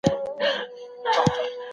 سولي د خلګو په څیرو کي خوښي راوړې وه.